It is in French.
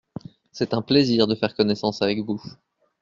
C’est un plaisir de faire connaissance avec vous.